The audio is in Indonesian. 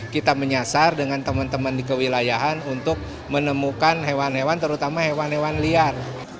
kita menyasar dengan teman teman di kewilayahan untuk menemukan hewan hewan terutama hewan hewan liar